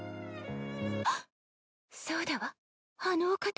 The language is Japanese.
ハッそうだわあのお方に！